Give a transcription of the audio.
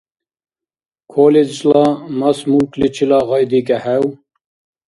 Колледжла «мас-мулкличила» гъайдикӀехӀев?